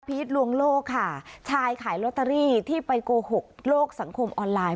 ลวงโลกค่ะชายขายลอตเตอรี่ที่ไปโกหกโลกสังคมออนไลน์